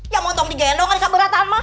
kamu mau dipercaya dipercaya dengan dia ya